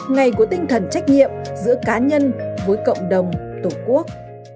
ngày của tinh thần trách nhiệm giữa cá nhân với cộng đồng tổ quốc